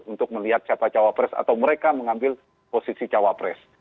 untuk melihat siapa cawapres atau mereka mengambil posisi cawapres